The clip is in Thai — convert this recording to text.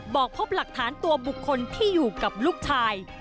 บอกพบหลักฐานตัวบุคคลที่อยู่กับลูกชาย